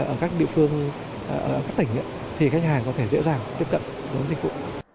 ở các địa phương các tỉnh thì khách hàng có thể dễ dàng tiếp cận với dịch vụ